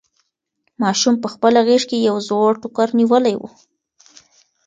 ماشوم په خپله غېږ کې یو زوړ ټوکر نیولی و.